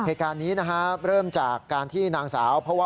เหตุการณ์นี้นะครับเริ่มจากการที่นางสาว